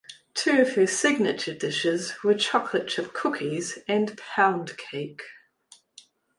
Two of her signature dishes were chocolate chip cookies and pound cake.